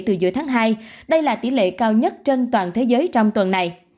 từ giữa tháng hai đây là tỷ lệ cao nhất trên toàn thế giới trong tuần này